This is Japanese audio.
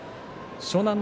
湘南乃